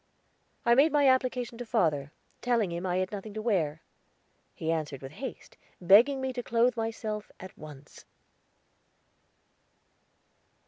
I made my application to father, telling him I had nothing to wear. He answered with haste, begging me to clothe myself at once.